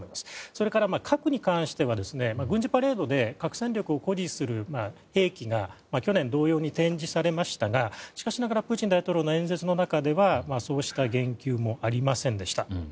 それから核に関しては軍事パレードで核戦力を誇示する兵器が去年同様に展示されましたがしかしながらプーチン大統領の演説の中ではそうした言及もありませんでした。